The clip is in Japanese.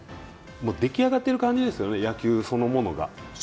出来上がっている感じですよね、野球そのものが。